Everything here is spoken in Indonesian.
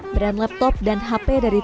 brand laptop dan hp dari